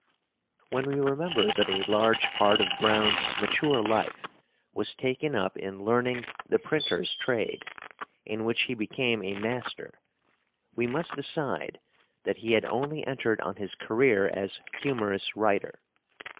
When we remember that a large part of Browne's mature life was taken up in learning the printer's trade, in which he became a master, we must decide that he had only entered on his career as humorous writer.